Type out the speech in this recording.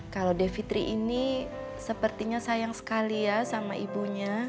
kalaulah deh fitri ini sepertinya sayang sekali ya sama ibunya